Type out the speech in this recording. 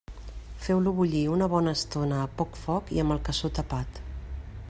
Feu-lo bullir una bona estona a poc foc i amb el cassó tapat.